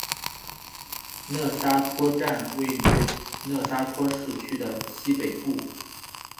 讷沙托站位于讷沙托市区的西北部。